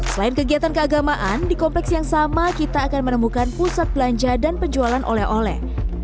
selain kegiatan keagamaan di kompleks yang sama kita akan menemukan pusat belanja dan penjualan oleh oleh